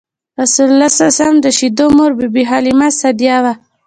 رسول الله ﷺ د شیدو مور بی بی حلیمه سعدیه وه.